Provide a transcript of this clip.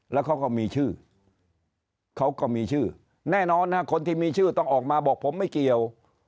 แล้วเขาก็มีชื่อเขาก็มีชื่อแน่นอนคนที่มีชื่อต้องออกมาบอกผมไม่เกี่ยว